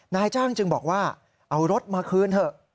นายจ้างจึงบอกว่าเอารถมาคืนเถอะ